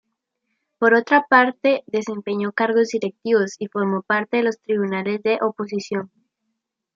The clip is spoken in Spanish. Por otra parte, desempeñó cargos directivos y formó parte de los tribunales de oposición.